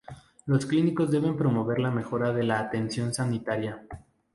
Los clínicos deben promover la mejora de la atención sanitaria.